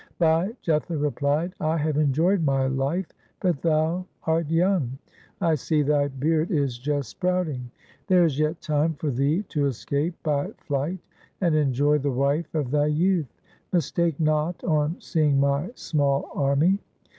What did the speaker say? Bhai Jetha replied, ' I have enjoyed my life, but thou art young. I see thy beard is just sprouting. There 184 THE SIKH RELIGION is yet time for thee to escape by flight and enjoy the wife of thy youth. Mistake not on seeing my small army.